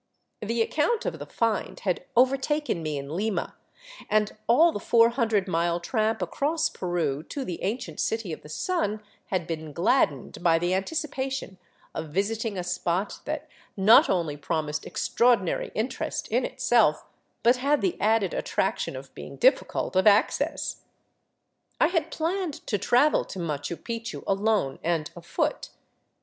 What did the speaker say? The account of the find had overtaken me in Lima, and all the four hundred mile tramp across Peru to the an cient City of the Sun had been gladdened by the anticipation of visiting a spot that not only promised extraordinary interest in itself, but had the added attraction of being difficult of access. I had planned to travel to Machu Picchu alone and afoot.